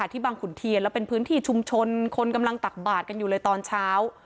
ที่บางขุนเทียนแล้วเป็นพื้นที่ชุมชนคนกำลังตักบาดกันอยู่เลยตอนเช้า